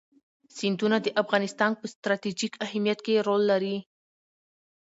سیندونه د افغانستان په ستراتیژیک اهمیت کې رول لري.